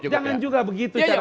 jangan juga begitu caranya